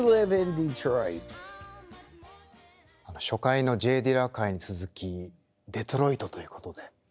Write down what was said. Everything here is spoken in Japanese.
初回のＪ・ディラ回に続きデトロイトということで。